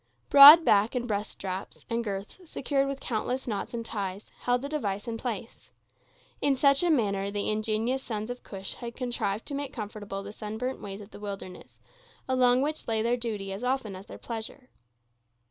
Broad back and breast straps, and girths, secured with countless knots and ties, held the device in place. In such manner the ingenious sons of Cush had contrived to make comfortable the sunburnt ways of the wilderness, along which lay their duty as often as their pleasure.